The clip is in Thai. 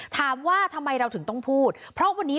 ถามว่าทำไมเราถึงต้องพูดเพราะวันนี้